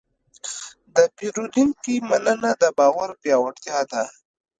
د پیرودونکي مننه د باور پیاوړتیا ده.